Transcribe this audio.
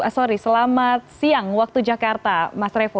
sorry selamat siang waktu jakarta mas revo